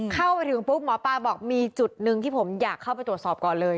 เข้าไปถึงปุ๊บหมอปลาบอกมีจุดหนึ่งที่ผมอยากเข้าไปตรวจสอบก่อนเลย